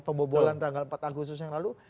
pembobolan tanggal empat agustus yang lalu